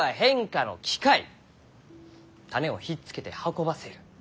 種をひっつけて運ばせる。